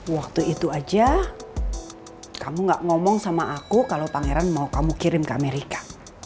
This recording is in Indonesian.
waktu itu aja kamu gak ngomong sama aku kalau pangeran mau kamu kirim ke amerika